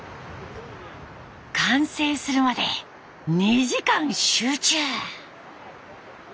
完成するまで２時間集中。